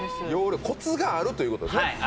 コツがあるということですね。